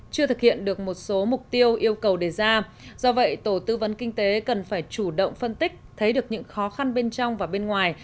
chưa thực hiện được một số mục tiêu yêu cầu đề ra do vậy tổ tư vấn kinh tế cần phải chủ động phân tích thấy được những khó khăn bên trong và bên ngoài